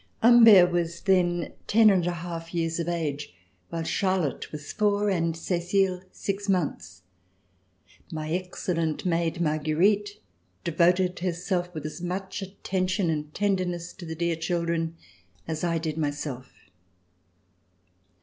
Humbert was then ten and a half years of age, while Charlotte was four and Cecile six months. My excellent maid. Marguerite, devoted herself with as much attention and tenderness to the dear children as I did myself.